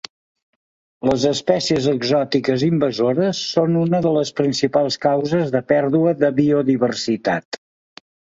Les espècies exòtiques invasores són una de les principals causes de pèrdua de biodiversitat.